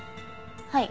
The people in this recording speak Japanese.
はい。